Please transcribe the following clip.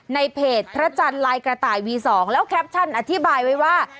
ในเพจพระจันทร์ลายกระต่ายวี๒แล้วแคปชั่นอธิบายไว้ว่า